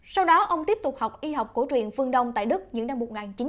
sau đó ông tiếp tục học y học cổ truyền phương đông tại đức những năm một nghìn chín trăm bảy mươi